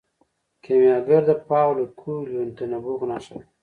کیمیاګر د پاولو کویلیو د نبوغ نښه ده.